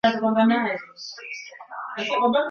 Wanamgambo wengi walifika nje ya Boston wakawazuia